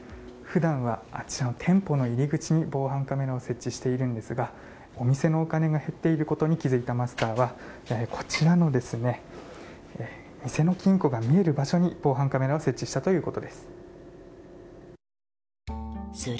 普段はあちら、店舗の入り口に防犯カメラを設置しているんですがお店のお金が減っていることに気づいたマスターはこちらの店の金庫が見える場所に防犯カメラを設置したということです。